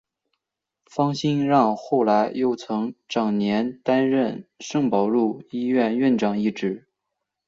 方心让后来又曾长年担任圣保禄医院院长一职。